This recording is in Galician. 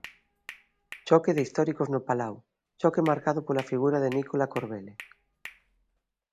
Choque de históricos no Palau, choque marcado pola figura de Nicola Corbelle.